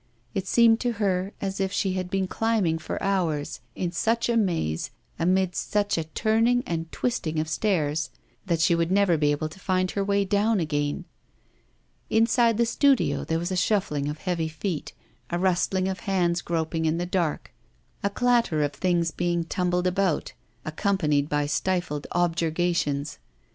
It seemed to her as if she had been climbing for hours, in such a maze, amidst such a turning and twisting of stairs that she would never be able to find her way down again. Inside the studio there was a shuffling of heavy feet, a rustling of hands groping in the dark, a clatter of things being tumbled about, accompanied by stifled objurgations.